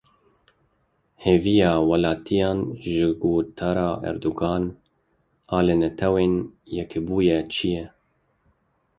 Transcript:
Hêviya welatiyan ji gotara Erdogan a li Netewên Yekbûyî çi ye?